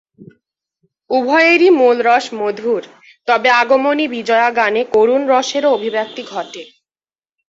উভয়েরই মূল রস মধুর, তবে আগমনী-বিজয়া গানে করুণ রসেরও অভিব্যক্তি ঘটে।